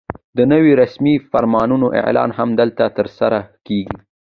د نویو رسمي فرمانونو اعلان هم دلته ترسره کېږي.